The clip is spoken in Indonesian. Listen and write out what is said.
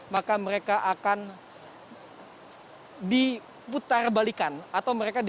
maka mereka akan diputarbalikan atau mereka diharuskan menikmati